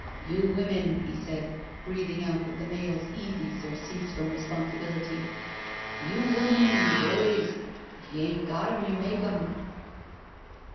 "You women," he said, breathing out with the male's easy surcease from responsibility — "you women and your worries. If you 'ain't got 'em, you make 'em."